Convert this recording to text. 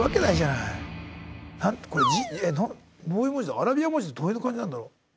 アラビア文字ってどういう感じなんだろう。